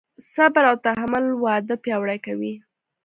صبر او تحمل واده پیاوړی کوي.